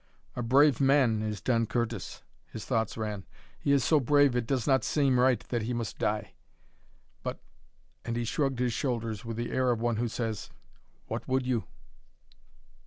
"A brave man is Don Curtis," his thoughts ran. "He is so brave it does not seem right that he must die. But " and he shrugged his shoulders with the air of one who says, "What would you?"